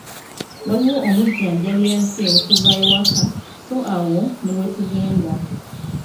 Waliwo omujjanjabi azze okuva ewaka so awo ne bwetugenda.